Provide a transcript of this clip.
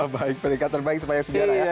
baik peringkat terbaik sepanjang sejarah ya